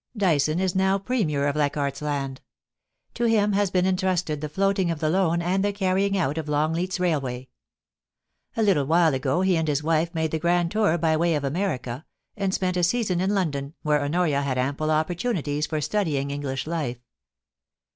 Dyson is now Premier of Leichardt's Land. To him has been entrusted the floating of the Loan and the carrying out of Longleat's Railway. A little while ago he and his ^ made the grand tour by way of America, and spent a season in London, where Honoria had ample opportunities for studying English life.